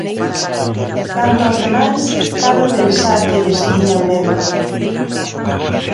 Canto aos demais, cabe pensar que lles tiñan medo.